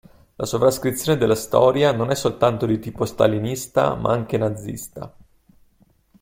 La sovrascrizione della storia non è soltanto di tipo stalinista ma anche nazista.